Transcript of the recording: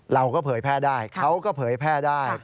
เผยแพร่ได้เขาก็เผยแพร่ได้